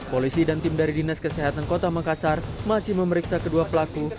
polisi dan tim dari dinas kesehatan kota makassar masih memeriksa kedua pelaku